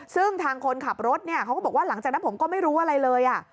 ซึ่งทางคนขับรถเนี่ยเขาก็บอกว่าหลังจากนั้นผมก็ไม่รู้อะไรเลย